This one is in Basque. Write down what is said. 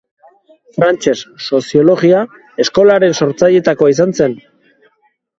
Frantses soziologia eskolaren sortzailetakoa izan zen.